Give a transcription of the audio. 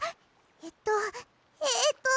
えっとえっと